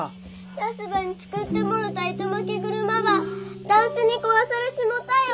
ヤスばに作ってもろた糸まき車ば男子に壊されっしもたよ